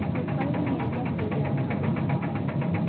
Rupaymi allaqlla yarqamun.